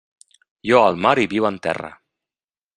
Lloa el mar i viu en terra.